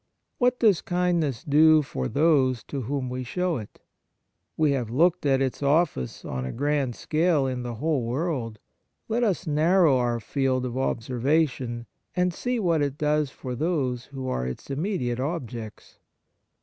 What does kindness do for those to whom we show it ? We have looked at its office on a grand scale in the whole world ; let us narrow our field of observation, and see what it does for those who are its imme diate objects.